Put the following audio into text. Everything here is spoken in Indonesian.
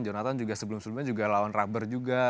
jonathan juga sebelum sebelumnya juga lawan rubber juga